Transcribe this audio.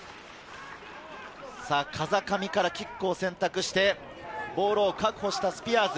風上からキックを選択してボールを確保したスピアーズ。